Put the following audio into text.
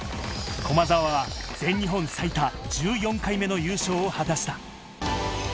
駒澤は全日本最多１４回目の優勝を果たした。